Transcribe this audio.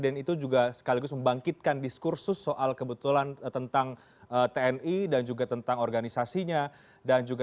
tentang susunan organisasi tni